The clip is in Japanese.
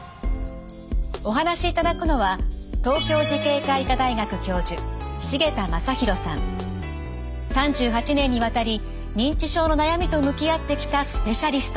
お話しいただくのは３８年にわたり認知症の悩みと向き合ってきたスペシャリスト。